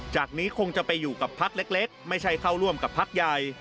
จากนี้คงจะไปอยู่กับพักเล็กไม่ใช่เข้าร่วมกับพักใหญ่